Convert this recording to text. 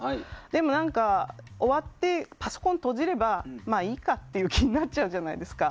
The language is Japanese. でも、終わってパソコンを閉じればいいかって気になっちゃうじゃないですか。